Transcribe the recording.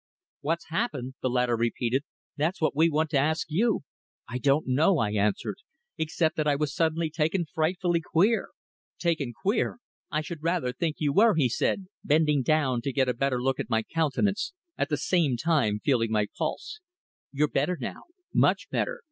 "What's happened?" the latter repeated. "That's what we want to ask you?" "I don't know," I answered, "except that I was suddenly taken frightfully queer." "Taken queer! I should rather think you were," he said, bending down to get a better look at my countenance, at the same time feeling my pulse. "You're better now, much better.